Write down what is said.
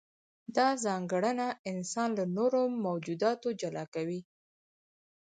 دا ځانګړنه انسان له نورو موجوداتو جلا کوي.